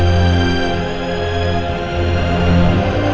ini hasil bukti tesnya ibu